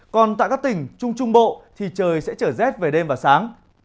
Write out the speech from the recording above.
còn tại các tỉnh trung trung bộ thì trời sẽ trở rét về đêm và sáng